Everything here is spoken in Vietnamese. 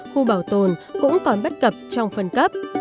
khu bảo tồn cũng còn bất cập trong phân cấp